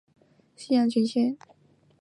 他自此成为当时日本的西洋料理权威。